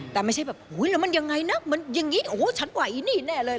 แต่ไม่ใช่แบบอุ้ยแล้วมันยังไงนะมันอย่างนี้โอ้โหฉันกว่าอีนี่แน่เลย